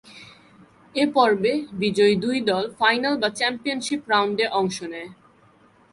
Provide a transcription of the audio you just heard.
এ পর্বে বিজয়ী দুই দল ফাইনাল বা চ্যাম্পিয়নশীপ রাউন্ডে অংশ নেয়।